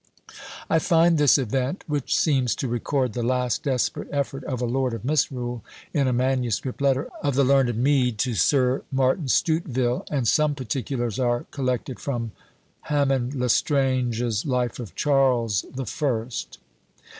I find this event, which seems to record the last desperate effort of a "Lord of Misrule," in a manuscript letter of the learned Mede to Sir Martin Stuteville; and some particulars are collected from Hammond L'Estrange's Life of Charles the First.